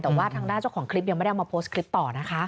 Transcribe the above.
แต่ว่าทางด้านเจ้าของคลิปยังไม่ได้เอามาโพสต์คลิปต่อนะคะ